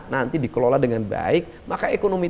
nanti dikelola dengan baik maka ekonomi